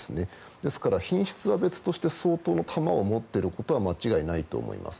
ですから、品質は別として相当な弾を持っていることは間違いないと思います。